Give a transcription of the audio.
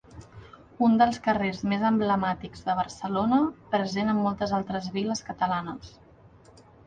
Un dels carrers més emblemàtics de Barcelona, present en moltes altres viles catalanes.